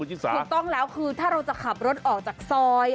ถูกต้องแล้วคือถ้าเราจะขับรถออกจากซอย